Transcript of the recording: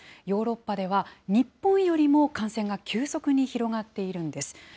ヨーロッパでは日本よりも感染が急速に広がっているんです。